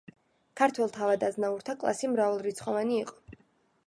ქართველ თავად-აზნაურთა კლასი მრავალრიცხოვანი იყო.